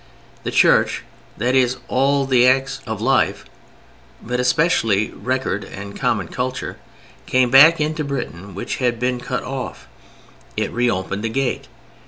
The Church, that is, all the acts of life, but especially record and common culture, came back into a Britain which had been cut off. It reopened the gate.